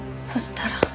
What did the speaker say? そしたら。